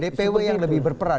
dpw yang lebih berperan